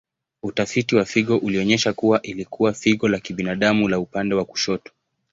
Utafiti wa figo ulionyesha kuwa ilikuwa figo la kibinadamu la upande wa kushoto.